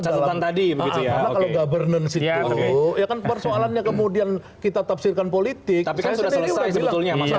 dalam tadi bisa berutions itu ya kan persoalannya kemudian kita tapsirkan politik udah sebesarnya